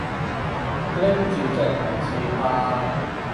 拎住隻鞋自拍